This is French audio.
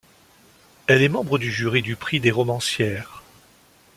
Elle est membre du jury du Prix des romancières.